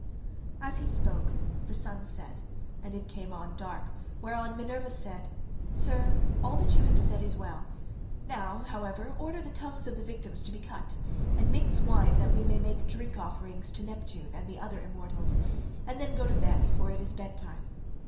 As he spoke the sun set and it came on dark, whereon Minerva said, "Sir, all that you have said is well; now, however, order the tongues of the victims to be cut, and mix wine that we may make drink offerings to Neptune, and the other immortals, and then go to bed, for it is bed time.